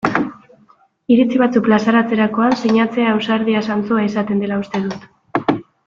Iritzi batzuk plazaratzerakoan sinatzea ausardia zantzua izaten dela uste dut.